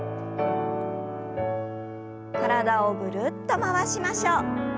体をぐるっと回しましょう。